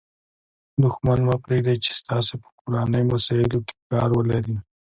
دوښمن مه پرېږدئ، چي ستاسي په کورنۍ مسائلو کښي کار ولري.